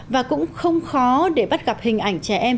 và cũng không khó để bắt gặp hình ảnh trẻ em